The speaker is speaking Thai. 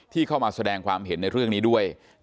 เข้ามาแสดงความเห็นในเรื่องนี้ด้วย